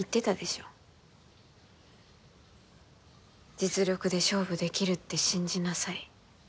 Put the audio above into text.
実力で勝負できるって信じなさい。